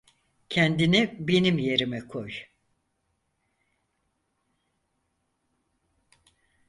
Kendini benim yerime koy.